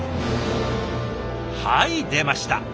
はい出ました。